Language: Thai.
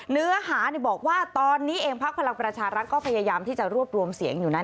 เนื้อหาบอกว่าตอนนี้เองพักพลังประชารัฐก็พยายามที่จะรวบรวมเสียงอยู่นั้น